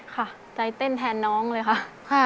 ค่ะใจเต้นแทนน้องเลยค่ะ